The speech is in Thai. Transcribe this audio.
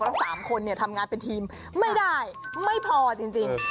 เพราะ๓คนทำงานเป็นทีมไม่ได้ไม่พอจริง